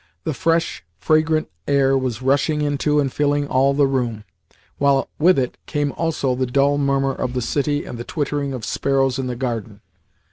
The fresh, fragrant air was rushing into and filling all the room, while with it came also the dull murmur of the city and the twittering of sparrows in the garden.